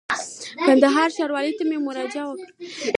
کندهار ښاروالۍ ته دي مراجعه وکړي.